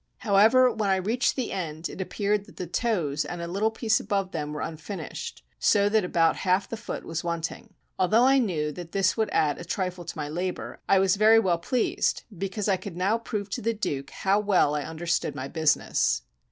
However, when I reached the end, it appeared that the toes and a little piece above them were unfinished, so that about half the foot was wanting. Although I knew that this would add a trifle to my labor, I was very well pleased, because I could now prove to the Duke how well I understood my business.